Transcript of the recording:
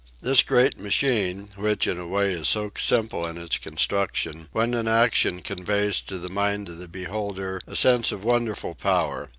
This great machine which, in a way, is so simple in its construction when in action conveys to the mind of the beholder a sense of wonderful power.